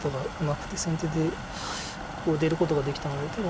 先手でここを出ることができたので多分